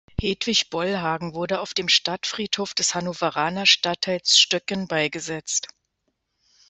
Hedwig Bollhagen wurde auf dem Stadtfriedhof des Hannoveraner Stadtteils Stöcken beigesetzt.